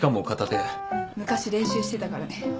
昔練習してたからね。